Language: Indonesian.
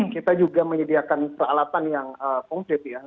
kita juga menyediakan peralatan yang konkret ya